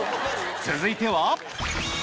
続いては？